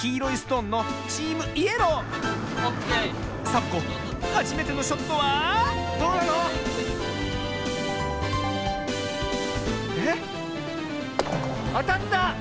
サボ子はじめてのショットはどうなの⁉えっ？あたった！